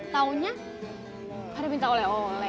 tahunya pada minta oleh oleh